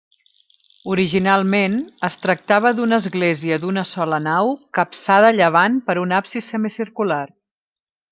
Originalment, es tractava d'una església d'una sola nau capçada a llevant per un absis semicircular.